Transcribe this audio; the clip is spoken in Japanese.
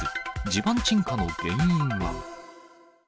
地盤沈下の原因は？